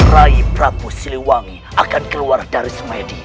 rai prabu siliwangi akan keluar dari semedi